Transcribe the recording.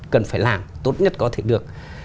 cần phải làm tốt nhất có thể được